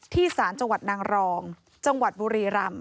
ศาลจังหวัดนางรองจังหวัดบุรีรำ